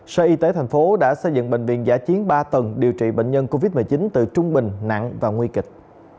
sở y tế thành phố đã xây dựng bệnh viện giả chiến ba tầng điều trị bệnh nhân covid một mươi chín từ trung bình nặng và nguy kịch